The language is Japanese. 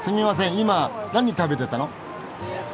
今何食べてたの？